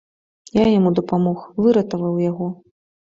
Я яму дапамог, выратаваў яго!